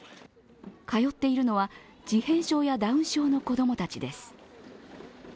通っているのは、自閉症やダウン症の子供たちです。